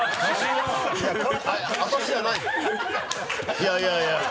いやいやいや！